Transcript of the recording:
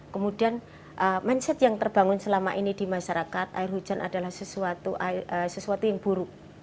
kemudian mindset yang terbangun selama ini di masyarakat air hujan adalah sesuatu yang buruk